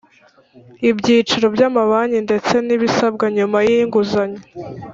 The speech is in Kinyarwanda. Ibyicaro By amabanki ndetse n ibisabwa nyuma y’inguzanyo